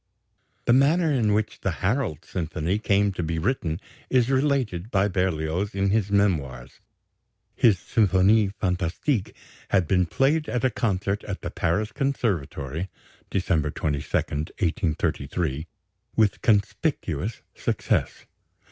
The manner in which the "Harold" symphony came to be written is related by Berlioz in his Memoirs. His Symphonie fantastique had been played at a concert at the Paris Conservatory (December 22, 1833), with conspicuous success.